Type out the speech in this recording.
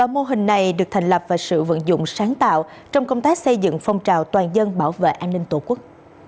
ba mô hình này được thành lập và sự vận dụng sáng tạo trong công tác xây dựng phong trào toàn dân bảo vệ an ninh tổ quốc